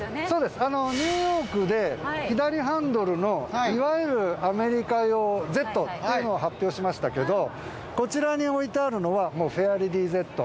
そうですニューヨークで左ハンドルのいわゆるアメリカ用Ｚっていうのを発表しましたけどこちらに置いてあるのはフェアレディ